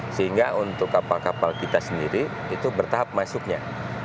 sehingga untuk kapal kapal kita sendiri itu bertahap masuknya